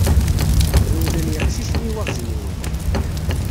Rewlen yeqcicen i yiwaɣezniwen.